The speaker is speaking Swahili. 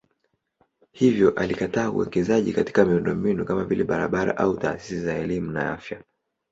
Hivyo alikataa uwekezaji katika miundombinu kama vile barabara au taasisi za elimu na afya.